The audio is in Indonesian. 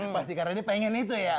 pasti karena dia pengen itu ya